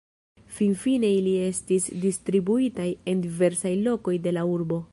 Finfine ili estis distribuitaj en diversaj lokoj de la urbo.